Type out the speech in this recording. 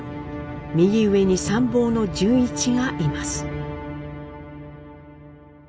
右上に参謀の潤一がいます。